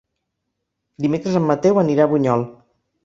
Dimecres en Mateu anirà a Bunyol.